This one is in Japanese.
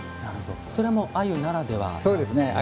それも鮎ならではなんですね。